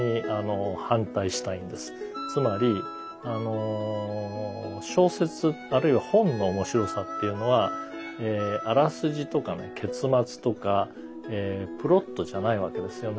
つまり小説あるいは本の面白さっていうのはあらすじとかね結末とかプロットじゃないわけですよね。